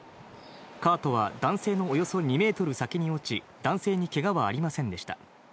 カートは男性のおよそ２メートル先に落ち、男性にけがはありませんでした。